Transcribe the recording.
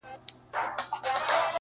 • هغه لږ خبري کوي تل,